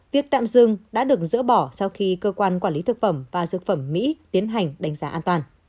việc tạm dừng đã được dỡ bỏ sau khi cơ quan quản lý thực phẩm và dược phẩm mỹ tiến hành đánh giá an toàn